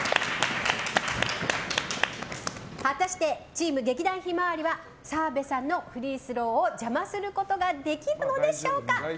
果たして、チーム劇団ひまわりは澤部さんのフリースローを邪魔することができるのでしょうか。